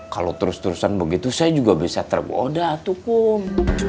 kalau terus terusan begitu saya juga bisa tergoda tukum